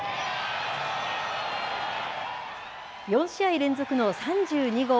４試合連続の３２号。